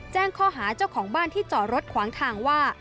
แจ้งข้อหาเจ้าของบ้านที่จอดรถขวางทางว่า